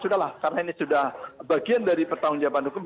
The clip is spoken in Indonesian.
sudahlah karena ini sudah bagian dari pertanggungjawaban hukum